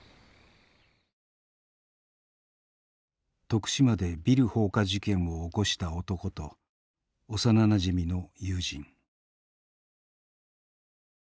徳島でビル放火事件を起こした男と幼なじみの友人。